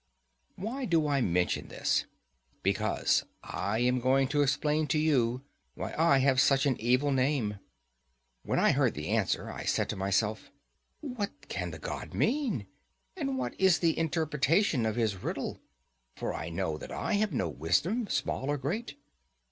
Why do I mention this? Because I am going to explain to you why I have such an evil name. When I heard the answer, I said to myself, What can the god mean? and what is the interpretation of his riddle? for I know that I have no wisdom, small or great.